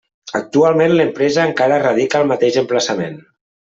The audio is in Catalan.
Actualment l'empresa encara radica al mateix emplaçament.